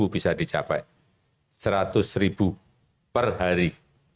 bisa dicapai seratus ribu per hari